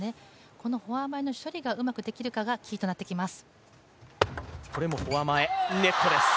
このフォア前の処理がうまくできるかがキーとなっています。